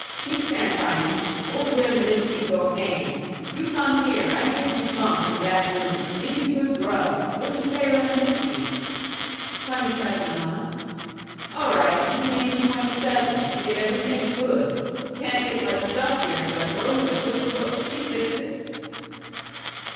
He stand by me. Old Reminitsky go hang! You come here, I give you bunk in that room, give you good grub. What you pay Reminitsky?" "Twenty seven a month." "All right, you pay me twenty seven, you get everything good. Can't get much stuff here, but Rosa good cook, she fix it."